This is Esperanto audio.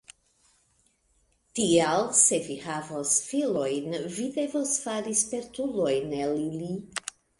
Tial, se vi havos filojn vi devos fari spertulojn el ili.